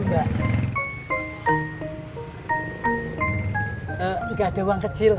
gak ada uang kecil